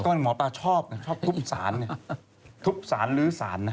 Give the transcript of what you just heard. หมอปลาชอบนะชอบทุบสารเนี่ยทุบสารลื้อสารนะ